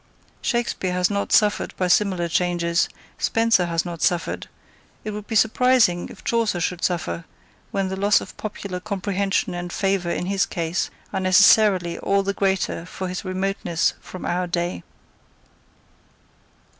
Shakespeare has not suffered by similar changes; Spencer has not suffered; it would be surprising if Chaucer should suffer, when the loss of popular comprehension and favour in his case are necessarily all the greater for his remoteness from our day.